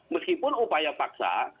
meskipun upaya paksa